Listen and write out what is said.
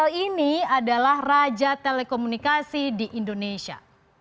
hal ini adalah raja telekomunikasi di indonesia